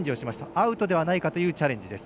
アウトではないかというチャレンジです。